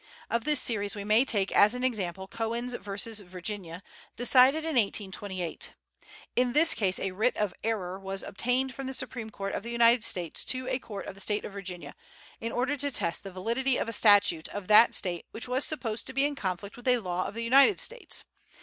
Of this series we may take as an example Cohens v. Virginia, decided in 1828. In this case a writ of error was obtained from the Supreme Court of the United States to a court of the State of Virginia, in order to test the validity of a statute of that State which was supposed to be in conflict with a law of the United States.